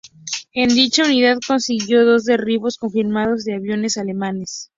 En dicha unidad consiguió dos derribos confirmados de aviones alemanes.